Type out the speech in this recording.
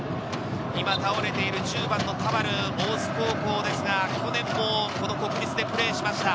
倒れている１０番の田原、大津高校ですが、去年もこの国立でプレーしました。